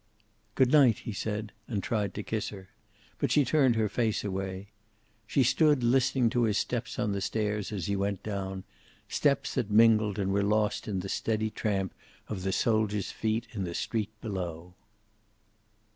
"Good night," he said, and tried to kiss her. But she turned her face away. She stood listening to his steps on the stairs as he went down, steps that mingled and were lost in the steady tramp of the soldiers' feet in the street below.